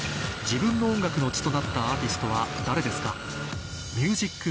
自分の音楽の血となったアーティストは誰ですか？